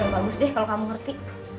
bagus deh kalau kamu ngerti